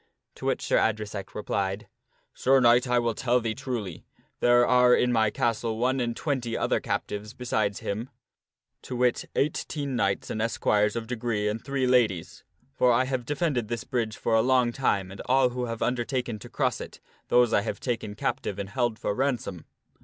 To which Sir Adresack replied, " Sir Knight, I will tell thee truly ; there are in my castle one and twenty other captives besides him : to wit, eighteen knights and esquires of degree and three ladies. For I have defended this bridge for a long time and all who have undertaken to cross it, those have I taken captive and held for ransom.